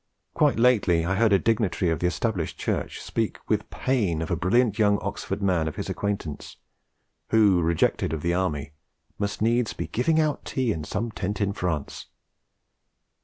Quite lately I heard a dignitary of the Established Church speak with pain of a brilliant young Oxford man of his acquaintance, who, rejected of the Army, must needs be 'giving out tea in some tent in France!'